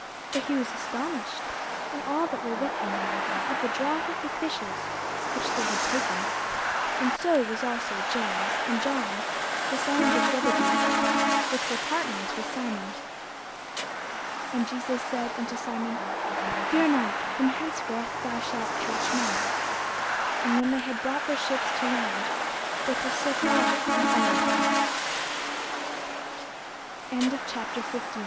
For he was astonished, and all that were with him, at the draught of the fishes which they had taken: and so was also James, and John, the sons of Zebedee, which were partners with Simon. And Jesus said unto Simon, Fear not; from henceforth thou shalt catch men. And when they had brought their ships to land, they forsook all, and followed him. CHAPTER 16 JESUS HEA